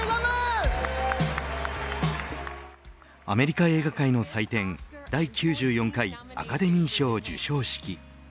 アメリカ映画界の祭典第９４回アカデミー賞授賞式。